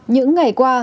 những ngày qua